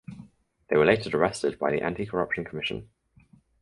They were later arrested by the Anti Corruption Commission.